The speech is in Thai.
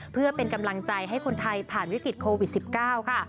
เพื่อเป็นกำลังใจให้คนไทยผ่านวิกฤตโควิด๑๙ค่ะ